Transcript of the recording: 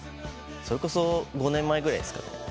それこそ５年前ぐらいですかね。